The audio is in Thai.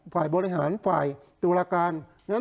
ฝ่ายบริหารฝ่ายตุลาการนั้น